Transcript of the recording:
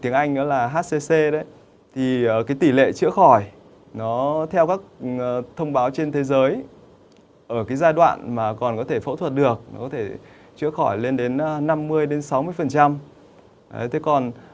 nó theo các thông báo trên thế giới ở giai đoạn mà còn có thể phẫu thuật được nó có thể chữa khỏi lên đến năm mươi sáu mươi